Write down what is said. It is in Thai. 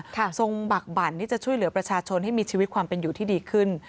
ทรงบักบั่นที่จะช่วยเหลือประชาชนให้มีชีวิตความเป็นอยู่ที่ดีขึ้น